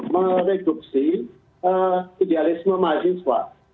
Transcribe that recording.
mereduksi idealisme mahasiswa